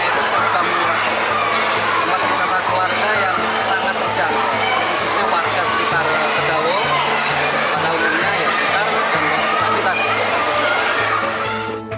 khususnya warga sekitar bedawong padahal dunia yang kita gambar tetapi tadi